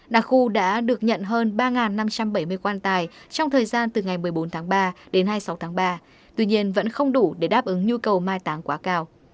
đặc khu đã được nhận hơn ba năm trăm bảy mươi quan tài trong thời gian từ ngày một mươi bốn tháng ba đến hai mươi sáu tháng ba tuy nhiên vẫn không đủ để đáp ứng nhu cầu mai táng quá cao